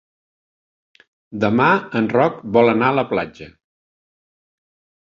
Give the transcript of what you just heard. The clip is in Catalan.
Demà en Roc vol anar a la platja.